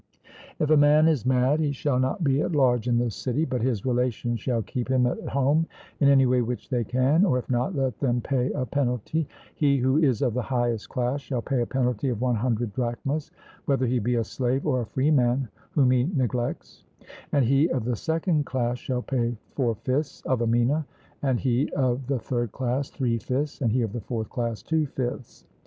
If a man is mad he shall not be at large in the city, but his relations shall keep him at home in any way which they can; or if not, let them pay a penalty he who is of the highest class shall pay a penalty of one hundred drachmas, whether he be a slave or a freeman whom he neglects; and he of the second class shall pay four fifths of a mina; and he of the third class three fifths; and he of the fourth class two fifths.